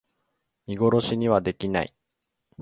見殺しにはできない